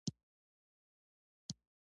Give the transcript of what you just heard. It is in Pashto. د افغانستان جغرافیه کې رسوب ستر اهمیت لري.